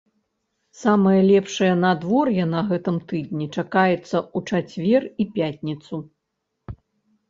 Самае лепшае надвор'е на гэтым тыдні чакаецца ў чацвер і пятніцу.